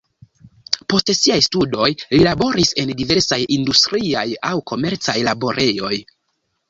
Post siaj studoj li laboris en diversaj industriaj aŭ komercaj laborejoj.